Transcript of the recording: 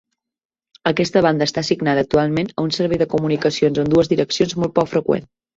Aquesta banda està assignada actualment a un servei de comunicacions en dues direccions molt poc freqüent.